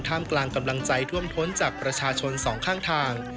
กลางกำลังใจท่วมท้นจากประชาชนสองข้างทาง